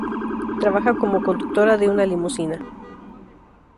Trabaja como conductora de una limusina.